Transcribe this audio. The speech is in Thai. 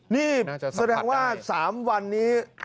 นี่แสดงว่า๓วันนี้